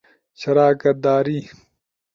شراکت داری